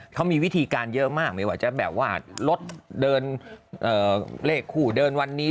เขามีวิธีการเยอะมากไม่ว่าจะแบบว่ารถเดินเลขคู่เดินวันนี้